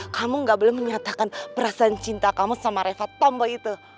kamu gak boleh menyatakan perasaan cinta kamu sama reva tompo itu